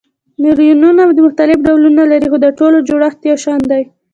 نیورونونه مختلف ډولونه لري خو د ټولو جوړښت یو شان دی.